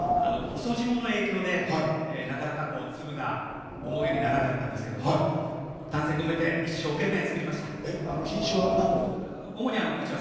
遅霜の影響でなかなか粒が思うようにならなかったんですけど丹精込めて品種は何を？